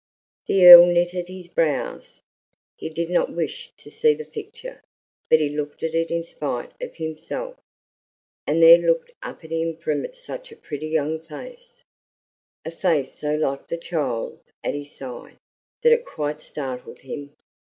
The Earl knitted his brows; he did not wish to see the picture, but he looked at it in spite of himself; and there looked up at him from it such a pretty young face a face so like the child's at his side that it quite startled him.